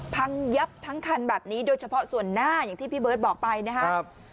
พังยับทั้งคันแบบนี้โดยเฉพาะส่วนหน้าอย่างที่พี่เบิร์ตบอกไปนะครับ